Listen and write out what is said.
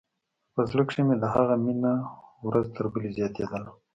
په زړه کښې مې د هغه مينه ورځ تر بلې زياتېدله.